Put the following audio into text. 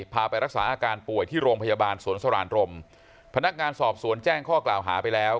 พาไปรักษาอาการป่วยที่โรงพยาบาลสวนสรานรมพนักงานสอบสวนแจ้งข้อกล่าวหาไปแล้ว